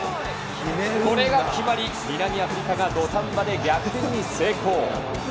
これが決まり、南アフリカが土壇場で逆転に成功。